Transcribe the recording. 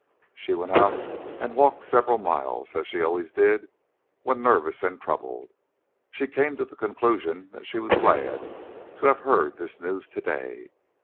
She went out and walked several miles, as she always did when nervous and troubled. She came to the conclusion that she was glad to have heard this news to day.